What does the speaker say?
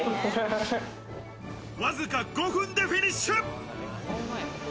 わずか５分でフィニッシュ。